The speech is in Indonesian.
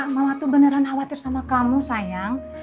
mama tuh beneran khawatir sama kamu sayang